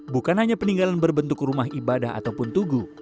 bukan hanya peninggalan berbentuk rumah ibadah ataupun tugu